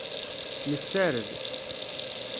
Nessared.